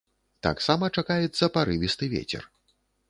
Таксама чакаецца парывісты вецер.